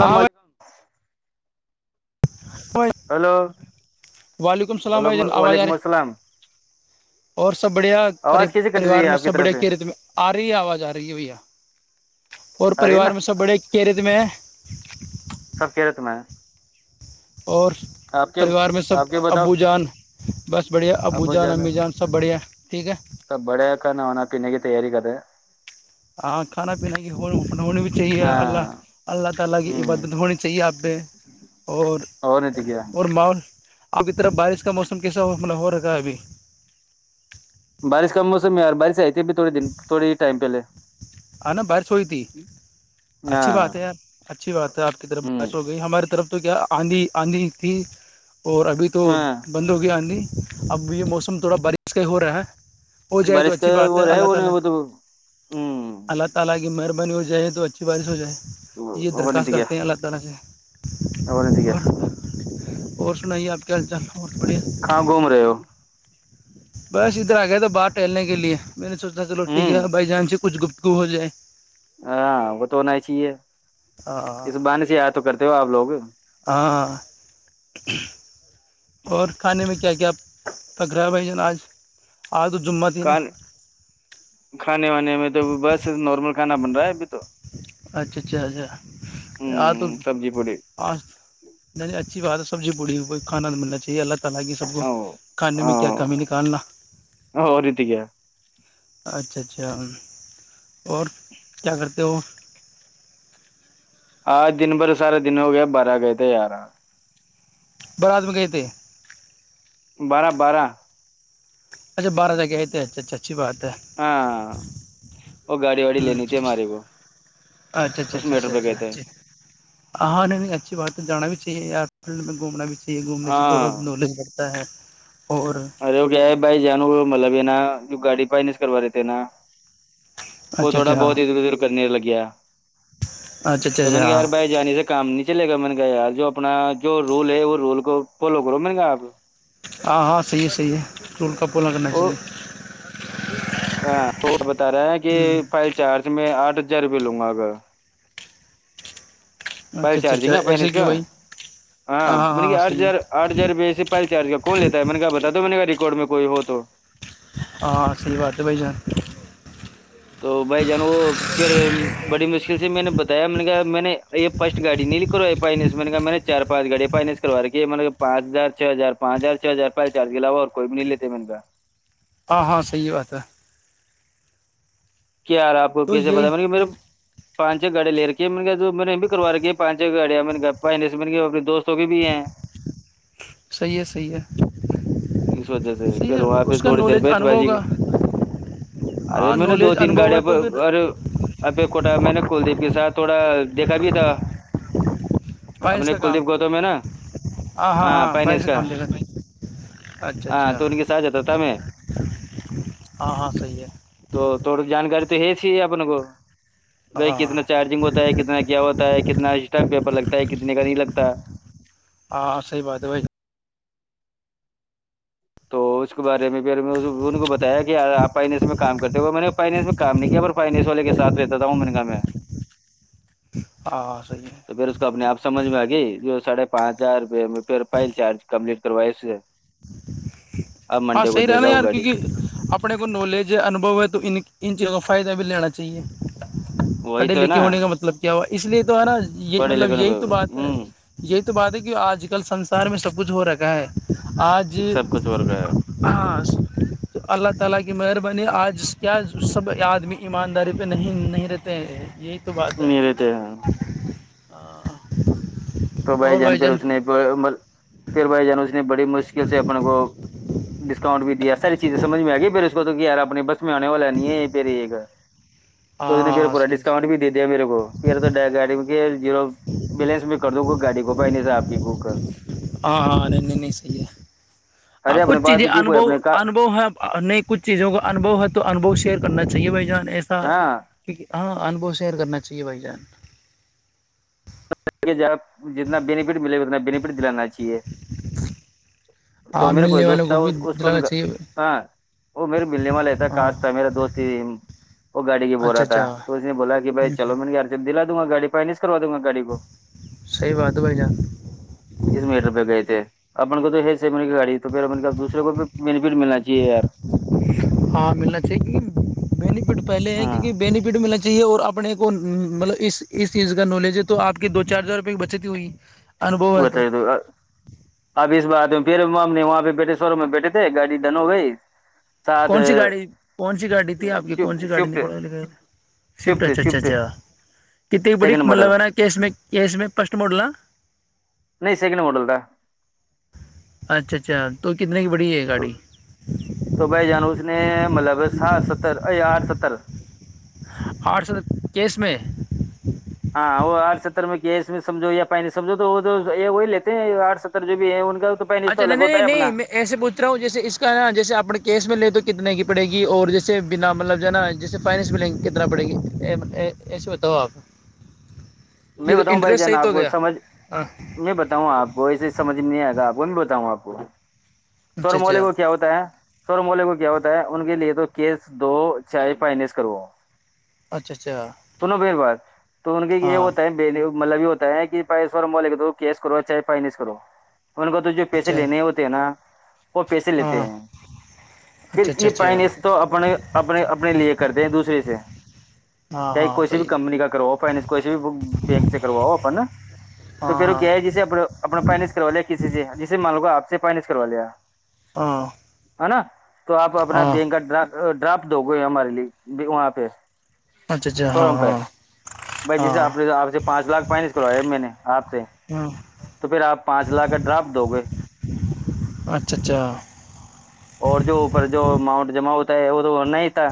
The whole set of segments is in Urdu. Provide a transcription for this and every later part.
ہاں بھائی علیکم بھائی وعلیکم اللام بھائی ہیلو جان آواز آ وعلیکم رہی السلام اور سب بڑھیا آواز کیسے کٹ رہی پریوار ہے میں آپ سب طرف بڑیا سے کی ریت میں آ رہی ہے آواز آ رہی ہے بھیا اور آ رہی ہے نا پریوار میں سب بڑے کیرت میں سب خیریت میں اور پریوار میں سب آپ کے بتاؤ ابو جان بس بڑھیا ابو جان امی جان سب بڑھیا ٹھیک ہے سب بڑھیا کھانا وانا پینے کی تیاری کر رہے ہی ہاں کھانا پینا کی ہونی بھی چاہیے ہیں اللہ ہاں اللہ تعالی کی ہوں عبادت ہونی چاہیے یہاں پہ اور نہیں تو کیا اور ماحول اب ادھر بارش کا موسم کیسا ہو رکھا ہے ابھی بارش کا موسم ہے یار بارش ہے بھی تھوڑے دن تھوڑے ہی ٹایم پہلے ہاں نا بارش ہوئی تھی ہاں اچھی بات ہے یار اچھی بات ہے آپ کی طرف ہوں بارش ہو گئی ہماری طرف تو کیا آندھی آندھی تھی اور ابھی تو ہاں بند ہو گیا آندھی اب یہ موسم تھوڑا بارش کا ہی ہو رہا ہے ہو جائے تو بارش اچھی کا بات ہے وہ رہے اللہ وہ تو تعالی وہ ہمم اللہ کی مہربانی ہو جائے تو اچھی بارش ہو جائے یہ درخواست کرتے ہیں اللہ تعالی سے اور نہیں تو کیا اور سنائیے آپ کیا حال چال اور بڑھیا کہاں گھوم رہے ہو بس ادھر آ گئے تھے باہر ٹہلنے کے لیے میں نے سوچا چلو ٹھیک ہوں ہے بھائی جان سے کچھ گفتگو گو ہو جائے ہاں وہ تو ہونا ہی چاہیے ہاں اس بہانے سے یاد تو کرتے ہو آپ لوگ بھی ہاں اور کھانے میں کیا کیا پک رہا ہے بھائی جان آج تو جمعہ تھی نا کھانے وانے میں تو بس نارمل کھانا بن رہا ابھی تو اچھا اچھا اچھا آ تو ہ سبزی پوڑی آ اچھی بات ہے سبزی پوری کھانا بننا چاہیے اللہ سب کو او کھانے میں کیا او کمی نکالنا اور رہتی کیا اچھا اچھا اور کیا کرتے ہو آج دن بھر سارا دن ہو گیا بارہ گئے تھے یارہ بارات میں گئے تھے بارہ بارہ اچھا بارہ تک گ آئے تھے اچھا اچھا اچھی بات ہے ہاں وہ گاڑی واڑی لینی اچھا تھی ہمارے کو اچھا اچھا اس اچھا اچھا میٹر اچھا پہ اچھا گئے تھے اچھا ہاں نہیں نہیں اچھی بات ہے جانا بھی چاہیے [unintelligible] گھومنے سے ہاں تھوڑا نالج بڑھتا ہے اور ارے وہ گ ہے بائی جان مل نا جو گاڑی پائ نہیںس کروا رہےتے نا وہ اچھا تھوڑا اچھا بہت ادھر ادھر کرنے لگ گیا اچھا اچھا تو میں نے اچھا کہ یار بھائی جانے سے کام نہیں چلے گا میں نے کہا یار جو اپنا جو رول ہے وہ رول کو فالو کرو م گا آپ ہاں ہاں صحیح ہے صحیح ہے اور [unintelligible] ہاں اور [inaudible] رہا ہے کہ ہ فائل چارج میں آٹھ ہزار روپئے لوں گا اگر پل اچھا اچھا اچھا چارجنگ ہے ایسے پائنز کیوں کا بھائی ہاں ہاں آٹھ صحیح ہے ہزار آٹھ ہزار رپئے سے پل چارج کا کون لیتا ہے میں نے بتا تو نے گ کوڑ میں کوئی ہو تو ہاں سی بد بھ جان تو بھائی جان وہ پھر بڑی مشکل سے میں نے بتایا میں نے کہا میں نے یہ فسٹ گاڑی نہیں کروا فائس میں نے کہا میں نے چار پانچ گاڑی فائس کروا رہے نے پانچ ہزار چھ ہزار پانچ ہزار چھ ہزار چار کے علاوا اور کوئی بھی نہیں لیتے میں نے کہا [unintelligible] کیا حالا ہے آپ کو تو کیسے یہی پتا م میرے پانچ گاڑیا لے ر کےے میں نے کہ جو میں نے بھی کرو رے پانچ گاڑیا میں نے پ سے اپنے دوست بھی ہیں صحیح ہے صحیح ہے اس وجہ سے صحیح پھر ہے وہاں پہ اس کا تھوڑی دیر نالج بیس ب انبھو جی کا ارے ہاں میرے نالج دوست تین انبھو ہے گاڑیوں پ تو پھر اور ابے کوٹا میں نے کلدیپ کے ساتھ تھوڑا دیکھا بھی تھا فائنس اپنے کا کام کلدیپ گوتم میں نا ہاں ہاں ہاں فائنس کا کام لے کر اچھا ہاں اچھا تو ان کے ساتھ جاتا تھا میں ہاں ہاں صحیح ہے تو تھوڑی جانکاری تو ہے سی اپنے کو بھائی ہاں کتنا چارجنگ ہوتا ہے کتنا کیا ہوتا ہے کتنا سسٹائم پیپر لگتا ہے کتنے کا نہیں لگتا ہاں صحیح بات ہے بھائی تو اس کے بارے پ ان کو بتایا کہ آپا ان سے میں کام کرتے وہ میں نے فائنس میں کام نہیں کیا فائنس والے کے سات رہتا تھا میں نے کہ میں اور تو پھر اس کو اپنےپ سمجھ میں آئے جو ساھے پانچ ہزار پھر فل چارج کمپٹ کروائے سے ہے ہاں صحیح رہا دے نا گا وہ یار گاڑی کیونکہ اپنے کو نالج ہے انوبو ہے تو ان ان چیزوں کو فائدہ بھی لینا چاہیے وہی پڑھے تو ہے لکھے نا ہونے کا مطلب کیا ہو اس لیے ہے نا یہ پڑھے مطلب لکھے یہی تو بات ہے ہ یہ تو تو بات ہے کی آج کل سنسار میں سب کچھ ہو رکھا ہے اج سب کچھ اور گیا اللہ تعالی کہ مہربانی آج کیا سب آدمی ایمانداری پہ نہیں نہیں رہتے ہیں یہ ا تو بعد میرے تھے ہ تو بھائی جان پھر اس نے پھر بھائی جان اس نے مشکل سے اپنے کو ڈسکاؤنٹ بھی دیا ساری چیزیں سجھ میں آ گی پھر اس کو تو کہیار اپنی بس اس میں آنے والا نہیں ہے پے یہ گھر ہاں تو اس نے پھر ہاں پورا صحیح ہے ڈسکاؤنٹ صحیح بھی ہے دے دیا میرے کو پھر تو گاڑی جیرو بیلنس میں کر دوں گا گاڑی کو پہنے سے آپ کی کو ہ نہیں صی ہے ارے اپنے کچھ پاس چیزیں تو تھی کوئی اپنے کا، انبو ہے نہیں کچھ چیزوں کا انبو ہے تو انوھو شیئر کرنااہے بھائی جان ایسا ہاں کیک ہاں انبھو شیئر کرنا چاہیے بھائی جان کے ج آپ جتنا بینفٹ ملےا اتنا بینیفٹ دلانا چاہیے تو اور میرا کوئی ملنے والوں دوست تھا کو بھی اس کو جلانا چاہیے ہاں وہ میرے بلیم لیتا ہاں کاش تھا میرا دوست ہی اچھا اچھا ہ [unintelligible] [unintelligible] صحیح بات ہے بھائی جان [unintelligible] [unintelligible] [unintelligible] [unintelligible] ہاں ملنا چاہیے کیونکہ [unintelligible] ہاں [unintelligible] تو [unintelligible] [unintelligible] shift shift shift shift second model [unintelligible] [unintelligible] [unintelligible] ہے گاڑی [unintelligible] [unintelligible] [unintelligible] [unintelligible] الگ ہوتا ہے اپنا [unintelligible] [unintelligible] تو انٹرسٹ صحیح تو ہو گیا ہاں [unintelligible] [unintelligible] اچھا اچھا [unintelligible] [unintelligible] اچھا اچھا ہاں [unintelligible] اچھا [unintelligible] ہاں اچھا اچھا اچھا [unintelligible] ہاں ہاں صحیح ہے [unintelligible] ہاں ہاں [unintelligible] [unintelligible] [unintelligible] ہاں [unintelligible] [unintelligible] اچھا اچھا ہاں [unintelligible] ہاں ہاں [unintelligible] پانچ لاکھ فائننس کرویا میں نے آپ سے ہاں تو پھر آپ پانچ لاکھ کا ڈرافٹ دو گے اچھا اچھا اور جو اوپر جو اماؤنٹ جما ہوتا ہے تو نہیں تھا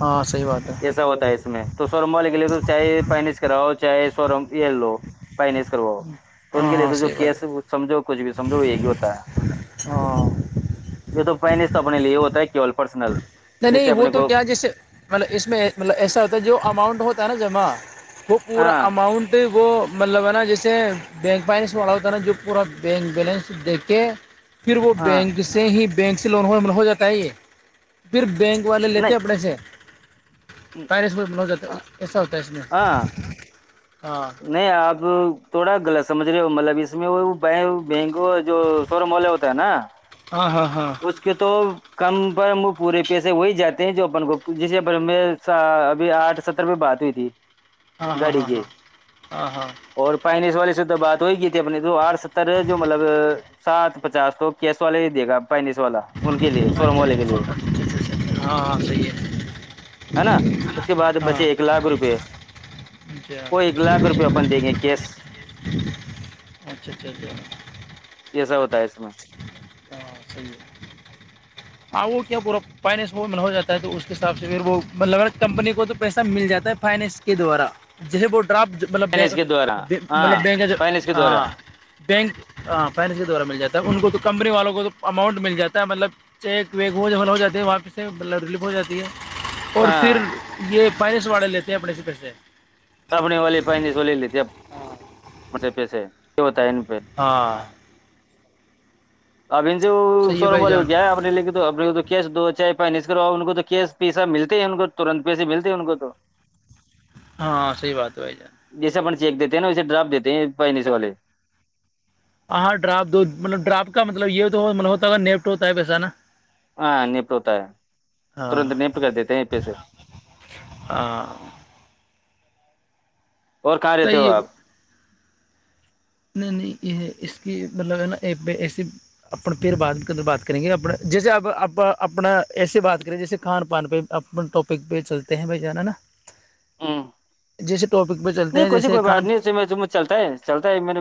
ہاں صحیح بات ہے ایسا ہوتا ہے اس میں [unintelligible] [unintelligible] تو ہاں ان کے لیے ہاں تو جو صحیح کیا بات سمجھو کچھ بھی سمجھو ایک ہی ہوتا ہے ہے ہاں یہ تو فائننس تو اپنے لیے ہوتا ہے کیول پرسنل نہیں کس نہیں سے وہ اپنے تو کو کیا جس سے مطلب اس میں مطلب ایسا ہوتا ہے جو اماؤنٹ ہوتا ہے نا جمع [unintelligible] وہ پورا ہاں اماؤنٹ وہ مطلب ہے نا جیسے بینک فائنینس میں والا ہوتا ہے نا جو پورا بینک بیلنس دیکھے [unintelligible] پھر وہ ہاں بینک سے ہی [inaudible] بینک سے لون ہو ہو جاتا ہے یہ [inaudible] پھر بینک والے لیتے نہیں اپنے سے پیرس میں ہو جات ایسا ہوتا ہیں اس می ہاں نہیں اب تھوڑا غلط سمجھ رہے ہو مطلب اس میں وہ بینک جو شو روم والے ہوتے ہے نا ہاں ہاں ہاں اس کے تو کم وہ پورے پیسے وہی جاتے ہیں جو اپن کو جسے ابھی آٹھ ستر پے بات ہوئی تھی ہاں ہاں گاڑی ہاں کے ہاں ہاں ہاں اور پائنیس والی جے تو بات وہی کی تھی اپ نے تو آٹھ ستر جو مطلب سات پچاس تو کیس والے ہی دے گا فائننس اچھا اچھا فوٹ ہاں ہاں صحیح ہے [unintelligible] [inaudible] ہے نا اس کے بعد ہاں بچے ایک لاکھ روپئے اچھا وہ ایک لاکھ روپئے اپن دیں گے کیش اچھا اچھا یہ سب ہوتا ہے اس میں ہاں صحیح ہے ہاں وہ کیا پورا فائننس وہ مطلب ہو جاتا ہے تو اس کے حساب سے وہ مطلب کمپنی کو تو پیسہ مل جاتا ہے فائننس کے دوارا جیسے [inaudible] پر آپ جب مطلب بینک فائنس کے دوارا دی مطلب ہاں بینک کا جو فائنس کے ہاں دوارا بینک [unintelligible] ہاں فائننس کے دوارا مل جات ہے ان کو تو کمپنی والوں کو تو اماؤنٹ مل جاتا ہے مطلب چیک ویک ہو جا مطلب ہو جاتے ہے وہاں پے سے بل ریلیف ہو جاتی ہے اور پھر ہاں یہ فائننس والاے لیتے ہیں اپنے سے پیسے سپنے والی پائ سو لے لی تب ہوتا ہے پہ ہاں ابھی سے وہ صحیح ہے سوورم بھائی والے جان کیا ہے اپنے لے کے تو اپنے کیش دو چائے پانی اسو ان کو تو کیش پیسہ ملتے ہیں ان کو تنت پیسے ملتے ہے ان کو تو [inaudible] ہاں صحیح بات ہے بھائی جان دیک دیتے ہیںا اسے ڈراپ دیتے ہیں بہنے س والے [inaudible] ہاںاں ڈراپ دو مطلب ڈرپ کا مطلب یہ توب ہوتا نیپٹ ہوتا ہے پیسا نا ہاں نپٹ ہوتا ہے ہاں ترنت نپٹ کر دیتے ہیں پیسے ہاں اور کہاں رہتے ہو صحیح ہے آپ نہیں نہیں یہ اس کی مطلب ہے نا ای پہ ایسی اپنے پیر بد بات کریں گے اپ جیسے اب آپ اپنا ایسے بات کریں جیسے کھان پان پہ اپنے ٹاپک پہ چلتے ہیں بھائی جانا ہے نا ہاں جیس نہیں کوسی کوئی بات نہیں چلتا ہے چلتا ہے میرے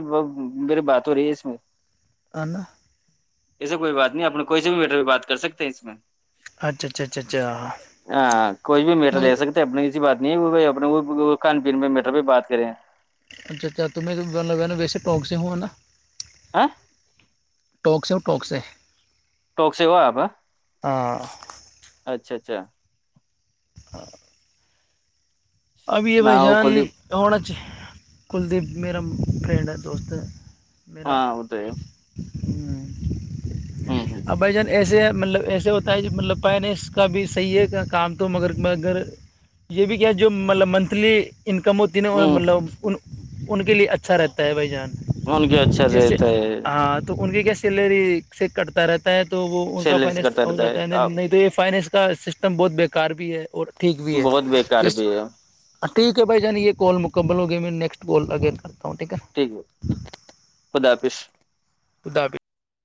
میری بات ہو رہی ہے اس میں نا ایسے کوئی بات نہیں اپنے کوئی س بھی میٹر بات کر سکتے ہیں اس میں اچھا اچھا اچھا اچھا ہاں کوئی بھی میٹ مگر لے سکتے اپنی ایسی بات نہیں وہ اپ ک میں بھی بات کریں اچھا اچھا ت توم میں نا ویسے ٹونک سے ہوںا نا ہاں ٹوکسٹ پک سےے ٹوک سے ہو آپ اچھا اچھا اور اب یہ نہ بھائی وہ جان کلدیپ ہونا چاہے کلدیپ میرا فرینڈ ہے دوست میرا ہاں وہ تو ہے ہ ا بھ جان ایسے مطلب ایسے ہوتا ہے مطلب پائے نہیں اس کا بھی صحیح ہے کا کام تو مگر مگر یہ بھی کیا جو مطلب منتھلی انکم ہوتی نا ہ مطلب ان ان کے لیے اچھا رہتا ہے بھائی جان ان کے اچھا جیسے رہتا ہے ہاں تو ان کے کیس چلری سیک کٹتا رہ ہے تو وہ ان کا سیلری سے فائنس کرتا ہو رہتا جاتا ہے آپ نہیں تو یہ فائنس کا سسٹم بہت بکار بھی ہے اور ٹھیک بھی ہے بہت بیکار جس بھی ہے ٹھیک ہے بھائی جان یہ کال مک کبل ہو گے میں نیکسٹ ٹھیک ہے [unintelligible] خدا حافظ اداب